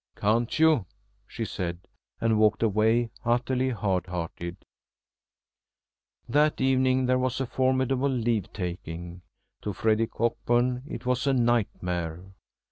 "Can't you?" she said, and walked away, utterly hard hearted. That evening there was a formidable leave taking. To Freddy Cockburn it was a nightmare.